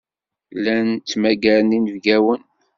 Llan ttmagaren inebgawen.